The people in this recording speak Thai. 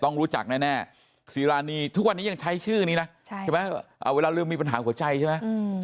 ต้องรู้จักแน่สีรานีทุกวันนี้ยังใช้ชื่อนี้นะใช่ไหมเวลาลืมมีปัญหาหัวใจใช่ไหม